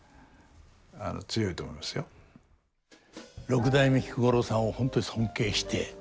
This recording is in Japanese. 六代目菊五郎さんを本当に尊敬して。